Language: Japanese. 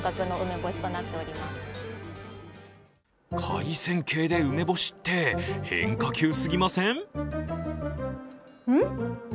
海鮮系で梅干しって変化球すぎません？